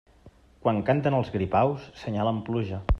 Quan canten els gripaus, senyalen pluja.